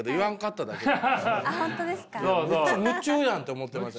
夢中やんって思ってました。